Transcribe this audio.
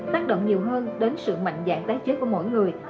tác động nhiều hơn đến sự mạnh dạng tái chế của mỗi người